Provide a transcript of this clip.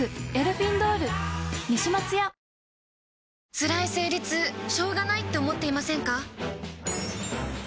つらい生理痛しょうがないって思っていませんか？